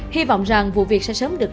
hy vọng rằng vụ việc sẽ sớm được